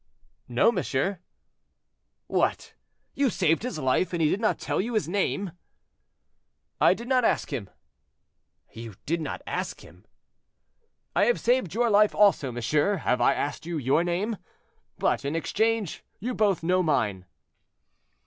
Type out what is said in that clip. "No, monsieur." "What! you saved his life, and he did not tell you his name?" "I did not ask him." "You did not ask him?" "I have saved your life also, monsieur; have I asked you your name? But, in exchange, you both know mine."